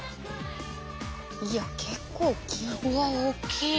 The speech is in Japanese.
いや結構大きい！